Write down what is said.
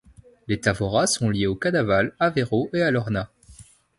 Les Távora sont liés aux Cadaval, Aveiro et Alorna.